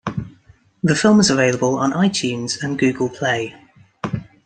The film is available on iTunes and Google Play.